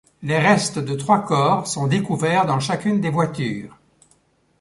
Les restes de trois corps sont découverts dans chacune des voitures.